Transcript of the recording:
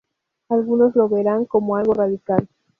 Algunos lo verán como algo radical